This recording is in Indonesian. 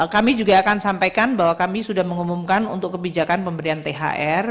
kami juga akan sampaikan bahwa kami sudah mengumumkan untuk kebijakan pemberian thr